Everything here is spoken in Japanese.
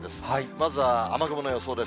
まずは雨雲の予想です。